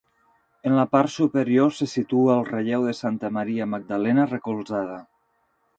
En la part superior se situa el relleu de Santa Maria Magdalena recolzada.